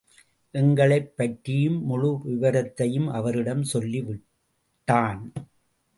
எங்களைப் பற்றிய முழு விபரத்தையும் அவரிடம் சொல்லி விட்டான்.